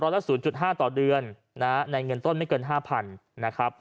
๑๐๐ละ๐๕ต่อเดือนในเงินต้นไม่เกิน๕๐๐๐บาท